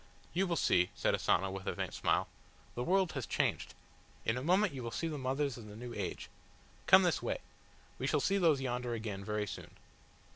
"You will see," said Asano with a faint smile. "The world has changed. In a moment you will see the mothers of the new age. Come this way. We shall see those yonder again very soon."